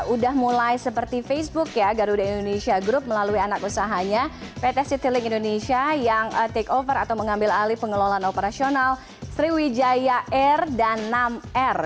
udah mulai seperti facebook ya garuda indonesia group melalui anak usahanya pt citilink indonesia yang take over atau mengambil alih pengelolaan operasional sriwijaya air dan nam air